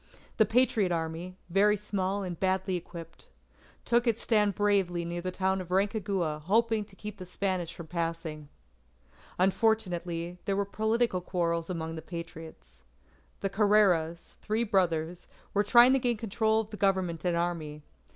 The Patriot Army, very small and badly equipped, took its stand bravely near the town of Rancagua hoping to keep the Spanish from passing. Unfortunately, there were political quarrels among the Patriots. The Carreras three brothers were trying to gain control of the Government and Army.